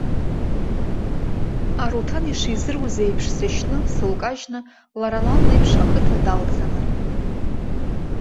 Аруҭан ишизыруз еиԥш сышьны сылкажьны, лара, лан леиԥш ақыҭа далцаны.